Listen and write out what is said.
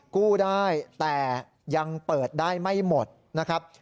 กู้ได้แต่ยังเปิดได้ไม่หมดนะครับ